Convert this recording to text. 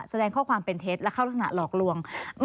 แสดงข้อความเป็นเท็จและเข้ารักษณะหลอกลวง